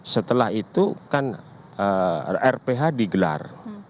setelah itu kan rph digelar